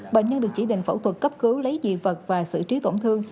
bệnh nhân được chỉ định phẫu thuật cấp cứu lấy dị vật và xử trí tổn thương